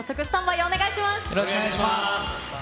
よろしくお願いします。